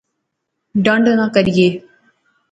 ڈنڈ نہ کریئے